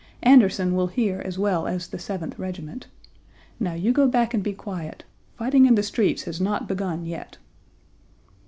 Anderson will hear as well as the Seventh Regiment. Now you go back and be quiet; fighting in the streets has not begun yet."